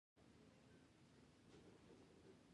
پاکستان د افغانستان او اسلام دوښمن دی